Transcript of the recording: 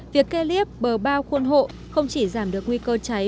việc kê liếp bờ bao khuôn hộ không chỉ giảm được nguy cơ cháy